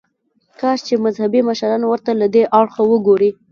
کاش چې مذهبي مشران ورته له دې اړخه وګوري.